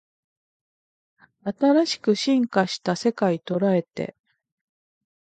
新しく進化した世界捉えて